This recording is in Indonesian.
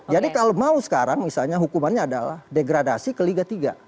jadi kalau mau sekarang misalnya hukumannya adalah degradasi ke liga tiga